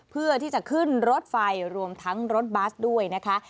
เพื่อที่จะขึ้นรถไฟรวมทั้งรถบัสด้วยนะคะ